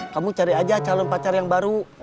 kamu cari aja calon pacar yang baru